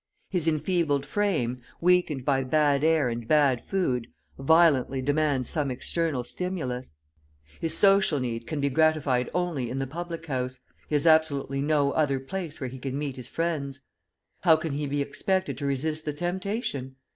His enfeebled frame, weakened by bad air and bad food, violently demands some external stimulus; his social need can be gratified only in the public house, he has absolutely no other place where he can meet his friends. How can he be expected to resist the temptation?